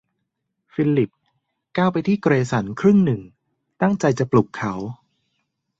ฟิลิปก้าวไปที่เกรสันครึ่งหนึ่งตั้งใจจะปลุกเขา